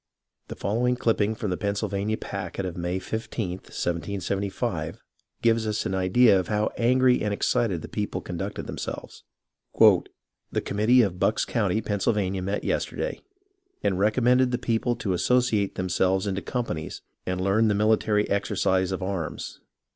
The following clipping from the Pennsylvania Packet of May 15th, 1775, gives us an idea of how the angry and excited people conducted themselves ;" The committee of S8 BUNKER HILL 59 Bucks County [Pennsylvania] met yesterday, and recom mended the people to associate themselves into companies, and learn the military exercise of arms.